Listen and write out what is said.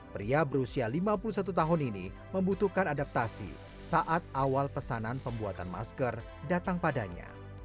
pria berusia lima puluh satu tahun ini membutuhkan adaptasi saat awal pesanan pembuatan masker datang padanya